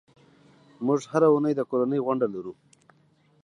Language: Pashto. موږ هره اونۍ د کورنۍ غونډه لرو.